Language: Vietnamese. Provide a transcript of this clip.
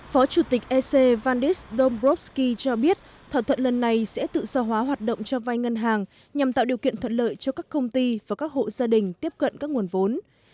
phó chủ tịch ec vandis dombrovsky cho biết thỏa thuận lần này sẽ tự do hóa hoạt động cho vai ngân hàng nhằm tạo điều kiện thuận lợi cho các công ty và các hộ gia đình tiếp cận các nguồn vốn